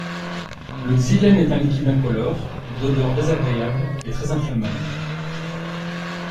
Le xylène est un liquide incolore, d'odeur désagréable et très inflammable.